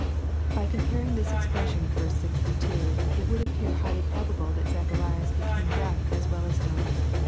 ] By comparing this expression with verse 62, it would appear highly probable that Zacharias became deaf as well as dumb.